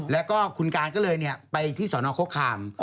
แล้วก็คุณการก็เลยไปที่สนโคคาม